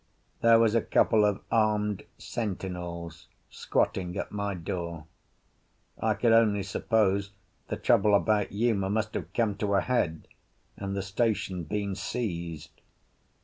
There was a couple of armed sentinels squatting at my door. I could only suppose the trouble about Uma must have come to a head, and the station been seized.